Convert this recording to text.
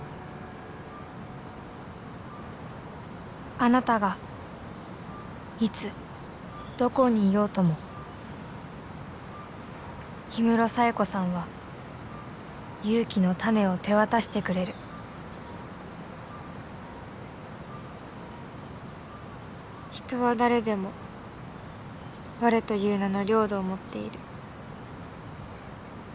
あなたがいつどこにいようとも氷室冴子さんは勇気の種を手渡してくれる「ヒトはだれでもわれという名の領土をもっている」。